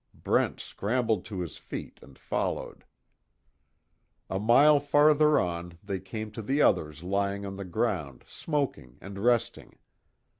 Brent scrambled to his feet and followed. A mile farther on they came to the others lying on the ground smoking and resting.